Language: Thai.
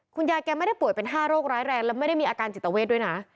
คุณยายแกไม่ได้ป่วยเป็น๕โรคร้ายแรงและไม่ได้มีอาการจิตเวทด้วยนะ